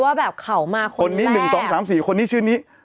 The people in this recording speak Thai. ว่าแบบเขามาคนนี้๑๒๓๔คนนี้ชื่อนี้